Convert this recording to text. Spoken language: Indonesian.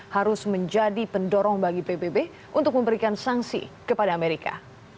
harus menjadi pendorong bagi pbb untuk memberikan sanksi kepada amerika